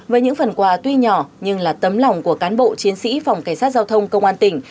với những phần quà tuy nhỏ nhưng là tấm lòng của cán bộ chiến sĩ phòng cảnh sát giao thông công an tỉnh